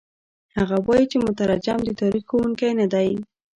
هغه وايي چې مترجم د تاریخ ښوونکی نه دی.